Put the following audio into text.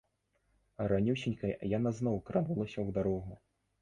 Ранюсенька яна зноў кранулася ў дарогу.